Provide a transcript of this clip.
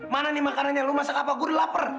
mana nih makanannya lu masak apa gua udah lapar